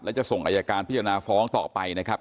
และจะส่งอายการพิจารณาฟ้องต่อไปนะครับ